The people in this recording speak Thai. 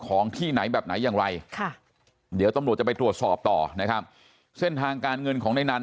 ของที่ไหนแบบไหนอย่างไรค่ะเดี๋ยวตำรวจจะไปตรวจสอบต่อนะครับเส้นทางการเงินของในนั้น